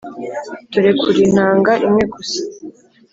turekura intanga imwe gusa